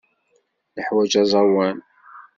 Neḥwaǧ aẓawan.